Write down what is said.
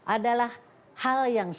adalah hal yang